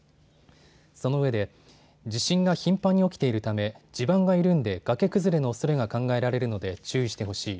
そのうえで地震が頻繁に起きているため地盤が緩んで崖崩れのおそれが考えられるので注意してほしい。